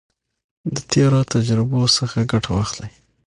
د تیرو تجربو څخه ګټه واخلئ.